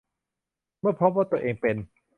เมื่อตรวจพบว่าตัวเองเป็น